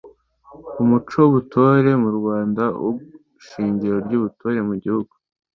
umuco w’ubutore mu muryango wo shingiro ry’ubutore mu gihugu